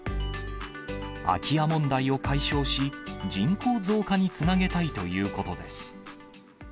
空き家問題を解消し、人口増加につなげたいということです。